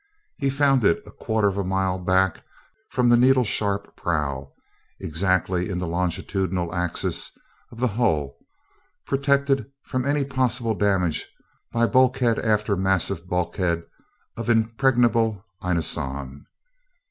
He found it a quarter of a mile back from the needle sharp prow, exactly in the longitudinal axis of the hull, protected from any possible damage by bulkhead after massive bulkhead of impregnable inoson.